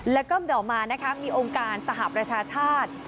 แล้วก็เดี๋ยวออกมานะคะมีองค์การสหรับราชาชาติ